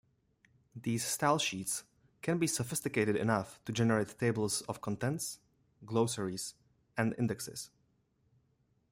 These stylesheets can be sophisticated enough to generate tables of contents, glossaries, and indexes.